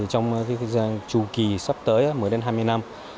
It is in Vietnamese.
trong thời gian trù kỳ sắp tới một mươi đến hai mươi năm